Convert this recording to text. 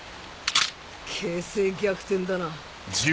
形勢逆転だな。